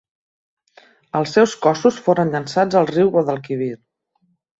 Els seus cossos foren llençats al riu Guadalquivir.